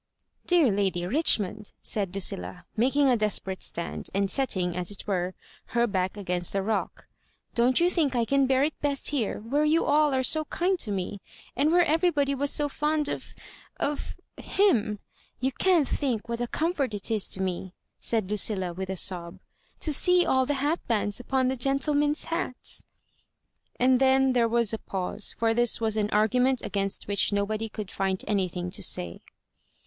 " Dear Lady Richmond," said Lucilla, making a desperate stand, and setting, as it were, her back against a rock, don't you thi£fk I can bear it best here where you are all so kind to me ; and where everybody was so fond of—ot—him f You can't think what a comfort it is to me," said Lu cilla, with a sob, *' to see all the hatbands upon the gentlemen's hats." And then there was a pause, for this was an argument against which nobody could find anything to say.